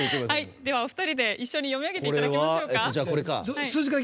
ではお二人で一緒に読み上げていただきます。